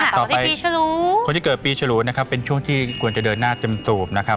ต่อไปคนที่เกิดปีชรูเป็นช่วงที่ควรจะเดินหน้าจำสูบ